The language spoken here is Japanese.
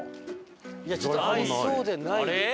いやちょっとありそうでない。